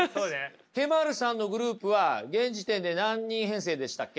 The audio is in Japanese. Ｋ−ｍａｒｕさんのグループは現時点で何人編成でしたっけ？